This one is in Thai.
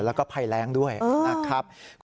แล้วก็ภัยแรงด้วยนะครับ